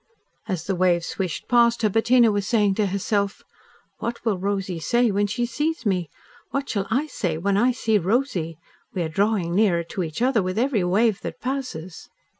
As the waves swished past her, Bettina was saying to herself, "What will Rosy say when she sees me! What shall I say when I see Rosy? We are drawing nearer to each other with every wave that passes."